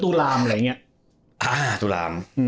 ครับตู้ลาม